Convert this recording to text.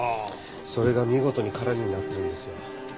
それが見事に空になってるんですよ。